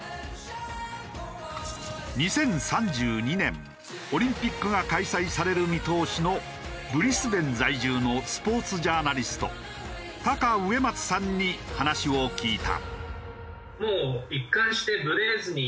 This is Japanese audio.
２０３２年オリンピックが開催される見通しのブリスベン在住のスポーツジャーナリストタカ植松さんに話を聞いた。